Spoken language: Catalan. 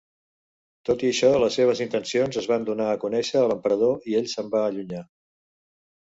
Tot i això, les seves intencions es van donar a conèixer a l'emperador i ell se'n va allunyar.